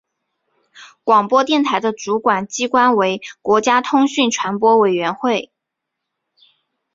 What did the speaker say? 广播电台的主管机关为国家通讯传播委员会。